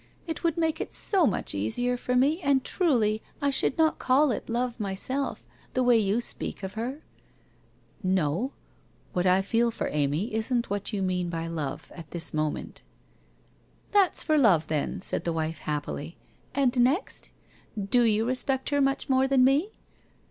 It would make it so much easier for me, and truly, I should not call it Love, myself, the way you speak of her ?'' No, what I feel for Amy isn't what you mean by love, at this moment.' 1 That's for love, then,' said the wife, happily. ' And next ? Do you respect her much more than me